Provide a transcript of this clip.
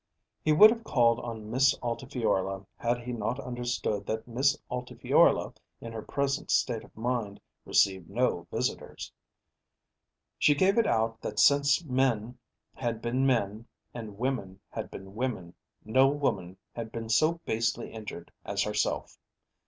He would have called on Miss Altifiorla had he not understood that Miss Altifiorla in her present state of mind received no visitors. She gave it out that since men had been men and women had been women, no woman had been so basely injured as herself.